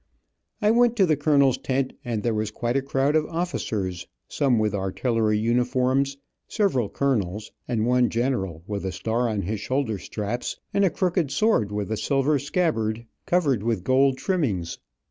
I went to the colonel's tent and there was quite a crowd of officers, some with artillery uniforms, several colonels, and one general with a star on his shoulder straps, and a crooked sword with a silver scabbard, covered with gold trimmings.